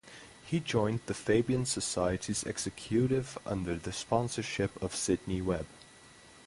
He joined the Fabian Society's executive under the sponsorship of Sidney Webb.